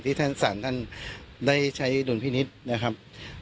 ท่านศาลท่านได้ใช้ดุลพินิษฐ์นะครับ